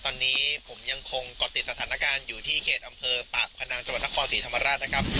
ตอนนี้ผมยังคงเกาะติดสถานการณ์อยู่ที่เขตอำเภอปากพนังจังหวัดนครศรีธรรมราชนะครับ